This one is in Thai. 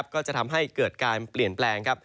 ก็จะทำให้เกิดการเปลี่ยนแปลงครับ